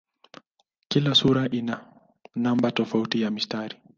Kila sura ina namba tofauti ya mistari.